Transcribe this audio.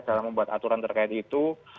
dalam membuat aturan terkait itu